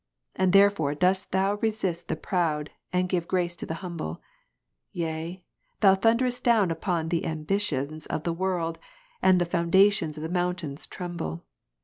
And therefore dost Thou resist the proud, and givest grace to the humble : yea. Thou Ps. 18, 7. thunderest down upon the ambitions of the world, and the foundations of the mountains tremble.